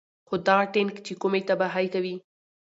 خو دغه ټېنک چې کومې تباهۍ کوي